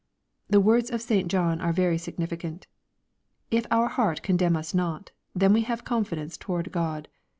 The words of St. John are very significant :" If our heart condemn us not, then have we confidence toward God."